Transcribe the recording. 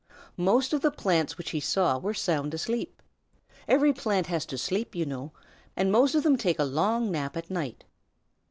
Most of the plants which he saw were sound asleep. Every plant has to sleep, you know, and most of them take a long nap at night.